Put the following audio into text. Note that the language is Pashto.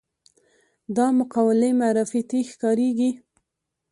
دا مقولې معرفتي ښکارېږي